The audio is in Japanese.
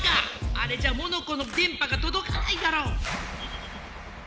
あれじゃモノコのでんぱがとどかないだろう！